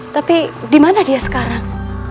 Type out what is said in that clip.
tapi di mana dia sekarang